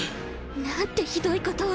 何てひどいことを。